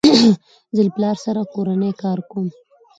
زه له پلار سره کورنی کار کوم.